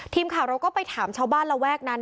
ทีมข่าวเราก็ไปถามชาวบ้านระแวกนั้น